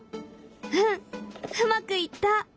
うんうまくいった！